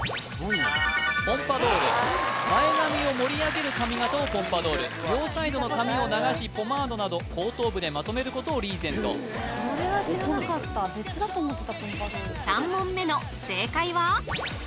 ポンパドール前髪を盛り上げる髪形をポンパドール両サイドの髪を流しポマードなど後頭部でまとめることをリーゼントそれは知らなかった別だと思ってたポンパドール３問目の正解は？